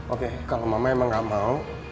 oke kalau mama emang nggak mau